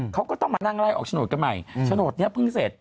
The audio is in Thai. เขาก็ต้องมานั่งไล่ออกโฉนดกันใหม่โฉนดนี้เพิ่งเสร็จ